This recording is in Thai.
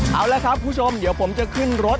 เอาละครับคุณผู้ชมเดี๋ยวผมจะขึ้นรถ